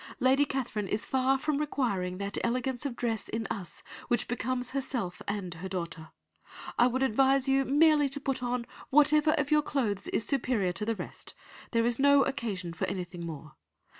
Lady Catherine is far from requiring that elegance of dress in us which becomes herself and daughter. I would advise you merely to put on whatever of your clothes is superior to the rest, there is no occasion for anything more.